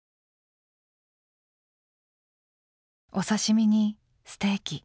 お刺身にステーキ。